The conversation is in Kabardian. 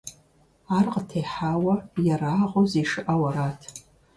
Ар къытехьауэ ерагъыу зишыӀэу арат.